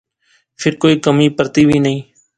فیر کوئِی کمی پرتی وی نئیں